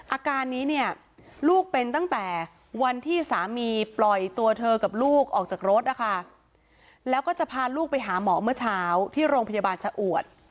อาการนี้เนี่ยลูกเป็นตั้งแต่วันที่สามีปล่อยตัวเธอกับลูกออกจากรถนะคะแล้วก็จะพาลูกไปหาหมอเมื่อเช้าที่โรงพยาบาลชะอวด